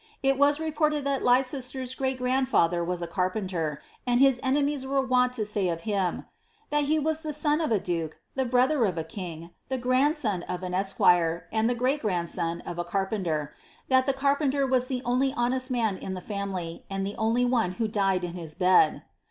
It was reported that Lei cester's crreat f randfather was a carpenter, and his enemies were wont to say of him, ^ that he was the son of a duke, the brother of a king, tiM grandson of an esquire, and the great grandson of a carpenter; that the carpenter was the only honest man in the liimily, and the only one who died in his bed.